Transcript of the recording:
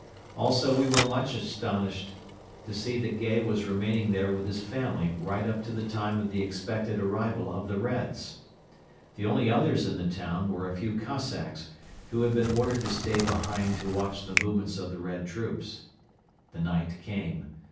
Also we were much astonished to see that Gay was remaining there with his family right up to the time of the expected arrival of the Reds. The only others in the town were a few Cossacks, who had been ordered to stay behind to watch the movements of the Red troops. The night came.